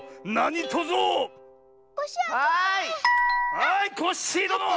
はいコッシーどの！